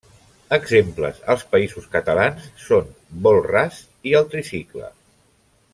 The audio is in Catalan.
Exemples als Països Catalans són Vol Ras i El Tricicle.